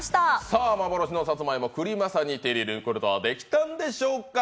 さあ、幻のさつまいも、クリマサリ、手に入れることはできたんでしょうか？